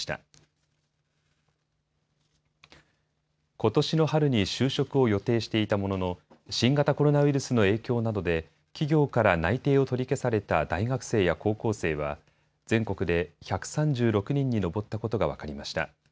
ことしの春に就職を予定していたものの、新型コロナウイルスの影響などで、企業から内定を取り消された大学生や高校生は、全国で１３６人に上ったことが分かりました。